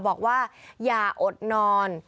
บอกว่าอย่าอดนอน